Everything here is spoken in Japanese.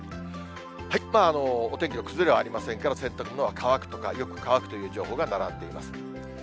お天気の崩れはありませんから、洗濯物は乾くとか、よく乾くという情報が並んでいます。